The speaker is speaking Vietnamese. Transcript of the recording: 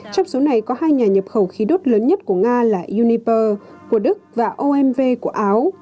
trong số này có hai nhà nhập khẩu khí đốt lớn nhất của nga là uniper của đức và omv của áo